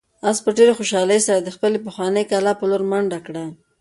آس په ډېرې خوشحالۍ سره د خپلې پخوانۍ کلا په لور منډه کړه.